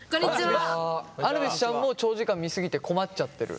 あぬビスちゃんも長時間見過ぎて困っちゃってる？